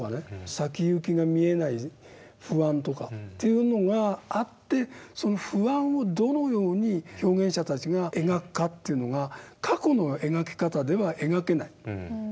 先行きが見えない不安とかというのがあってその不安をどのように表現者たちが描くかというのが過去の描き方では描けない。